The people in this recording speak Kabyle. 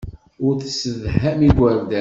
Ur tessedham igerdan.